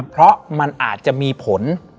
เพราะมันอาจจะมีผล